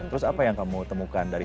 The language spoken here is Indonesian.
terus apa yang kamu temukan dari